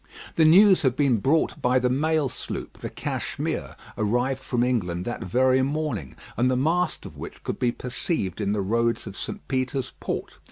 The news had been brought by the mail sloop, the Cashmere, arrived from England that very morning, and the mast of which could be perceived in the roads of St. Peter's Port.